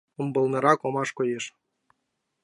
Умбалнырак омаш коеш.